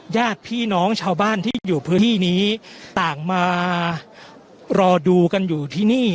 ญาติพี่น้องชาวบ้านที่อยู่พื้นที่นี้ต่างมารอดูกันอยู่ที่นี่